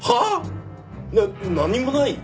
な何もない？